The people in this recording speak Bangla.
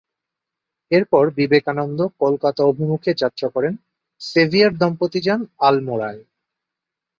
এরপর বিবেকানন্দ কলকাতা অভিমুখে যাত্রা করেন, সেভিয়ার-দম্পতি যান আলমোড়ায়।